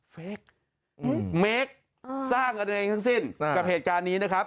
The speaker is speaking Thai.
เค้กเมคสร้างกันเองทั้งสิ้นกับเหตุการณ์นี้นะครับ